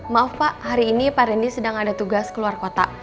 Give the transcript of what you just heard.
maaf pak hari ini pak rendy sedang ada tugas keluar kota